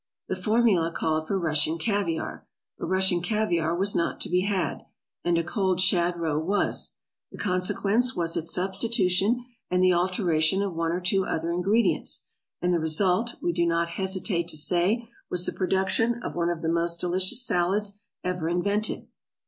The formula called for Russian caviare, but Russian caviare was not to be had, and a cold shad roe was; the consequence was its substitution and the alteration of one or two other ingredients, and the result, we do not hesitate to say, was the production of one of the most delicious salads ever invented.